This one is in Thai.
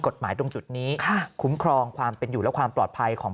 ตรงจุดนี้คุ้มครองความเป็นอยู่และความปลอดภัยของ